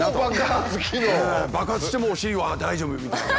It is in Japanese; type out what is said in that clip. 爆発してもお尻は大丈夫！みたいな。